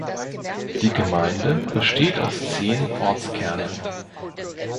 Die Gemeinde besteht aus zehn Ortskernen.